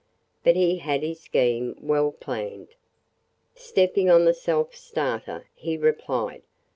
But he had his scheme well planned. Stepping on the self starter, he replied.